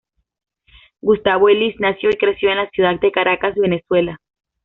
Gustavo Elis nació y creció en la ciudad de Caracas, Venezuela.